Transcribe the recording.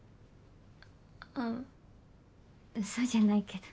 あそうじゃないけど。